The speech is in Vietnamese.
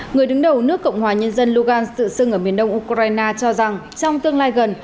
người đứng đầu nước cộng hòa nhân dân logan tự xưng ở miền đông ukraine cho rằng trong tương lai gần